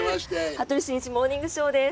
「羽鳥慎一モーニングショー」です。